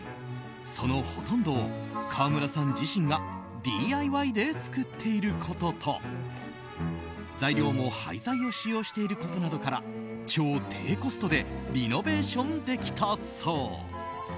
そのほとんどを川村さん自身がＤＩＹで作っていることと材料も廃材を使用していることなどから超低コストでリノベーションできたそう。